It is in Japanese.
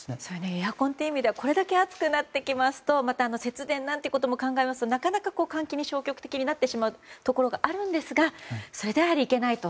エアコンという意味ではこれだけ暑くなってきますとまた節電なんてことも考えますとなかなか換気に消極的になってしまうところがあるんですがそれではいけないと。